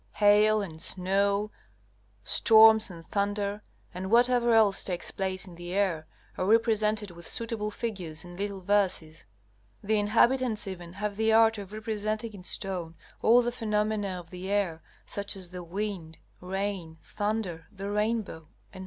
Hail and snow, storms and thunder, and whatever else takes place in the air, are represented with suitable figures and little verses. The inhabitants even have the art of representing in stone all the phenomena of the air, such as the wind, rain, thunder, the rainbow, etc.